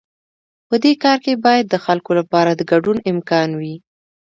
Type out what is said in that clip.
په دې کار کې باید د خلکو لپاره د ګډون امکان وي.